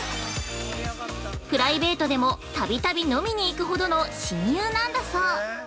プライベートでもたびたび飲みに行くほどの親友なんだそう。